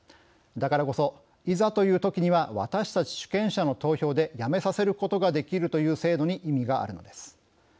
だからこそ、いざという時には私たち主権者の投票でやめさせることができるという制度に意味があるのです。